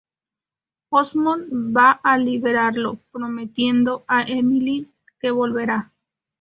Osmond va a liberarlo, prometiendo a Emmeline que volverá.